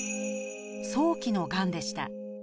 早期のがんでした。